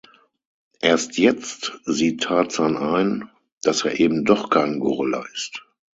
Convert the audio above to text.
Erst jetzt sieht Tarzan ein, dass er eben doch kein Gorilla ist.